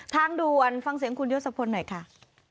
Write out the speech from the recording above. ทางดูฟังเสียงคุณยกสะพนหน่อยค่ะ